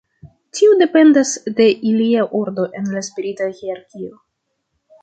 Tio dependas de ilia ordo en la spirita hierarkio.